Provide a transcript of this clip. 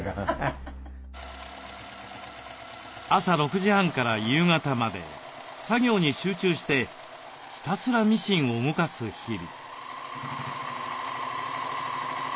朝６時半から夕方まで作業に集中してひたすらミシンを動かす日々。